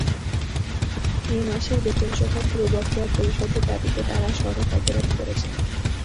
মে মাসের বেতনসহ পুরো বকেয়া পরিশোধের দাবিতে তাঁরা সড়ক অবরোধ করেছেন।